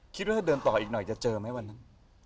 คิดว่าถ้าเดินต่ออีกหน่อยจะเจอไหมวันนั้น